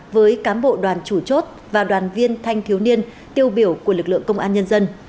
với cám bộ đoàn chủ chốt và đoàn viên thanh thiếu niên tiêu biểu của lực lượng công an nhân dân